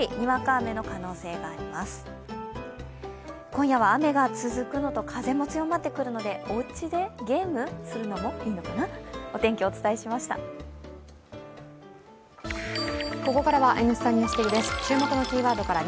今夜は雨が続くのと風が強まってくるのでおうちでゲームするのもいいのかな？